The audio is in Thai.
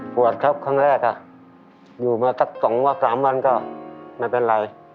ปวดครับครั้งแรกอยู่มาสัก๒วัน๓วันก็ไม่เป็นไร